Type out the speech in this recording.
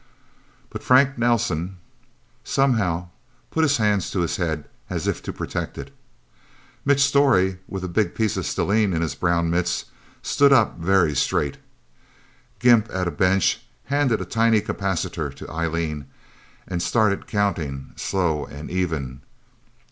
But Frank Nelsen somehow put his hands to his head, as if to protect it. Mitch Storey, with a big piece of stellene in his brown mitts, stood up very straight. Gimp, at a bench, handed a tiny capacitor to Eileen, and started counting, slow and even.